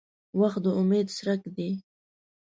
• وخت د امید څرک دی.